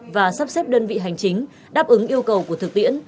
và sắp xếp đơn vị hành chính đáp ứng yêu cầu của thực tiễn